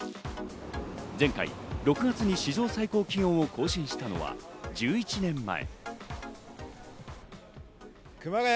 前回６月に史上最高気温を更新したのは１１年前。